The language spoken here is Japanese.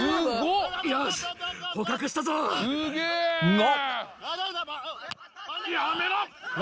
［が］